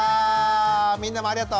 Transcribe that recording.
みんなもありがと。